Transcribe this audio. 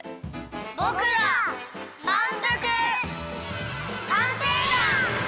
ぼくらまんぷく探偵団！